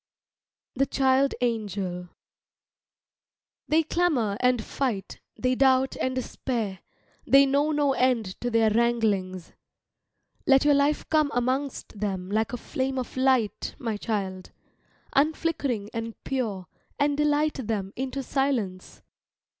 THE CHILD ANGEL They clamour and fight, they doubt and despair, they know no end to their wranglings. Let your life come amongst them like a flame of light, my child, unflickering and pure, and delight them into silence.